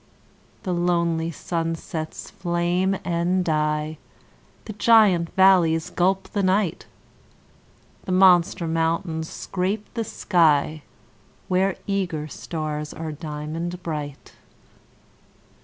The lonely sunsets flame and die; The giant valleys gulp the night; The monster mountains scrape the sky, Where eager stars are diamond bright.